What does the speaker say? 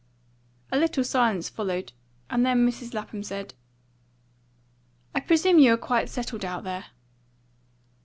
A little silence followed, and then Mrs Lapham said "I presume you are quite settled out there."